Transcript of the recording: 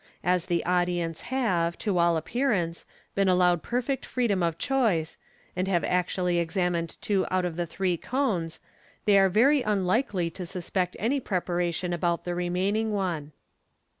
As the audience have, to all appearance, been allowed perfect freedom of choice, and have actually examined two out of the three cones, they are very unlikely to suspect any preparation about the remaining one.